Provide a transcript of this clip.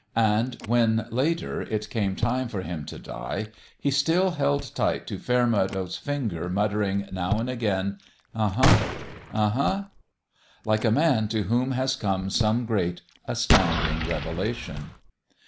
And when, later, it came time for him to die, he still held tight to Fairmeadow's finger, muttering, now and again, "Uh fruA/ \lh huh!" like a man to whom has come some great, astounding revelation.